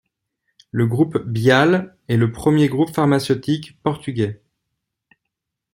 Le groupe Bial est le premier groupe pharmaceutique portugais.